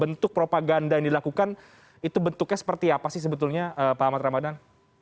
bentuk propaganda yang dilakukan itu bentuknya seperti apa sih sebetulnya pak ahmad ramadan